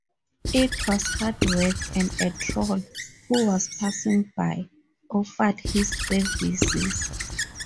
It was hard work, and a troll, who was passing by, offered his services.